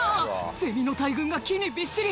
セミの大群が木にびっしり！